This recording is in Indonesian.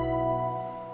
saya rupanya gitu